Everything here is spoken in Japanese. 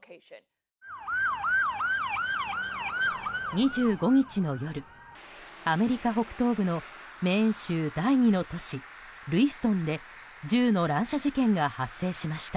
２５日の夜、アメリカ北東部のメーン州第２の都市ルイストンで銃の乱射事件が発生しました。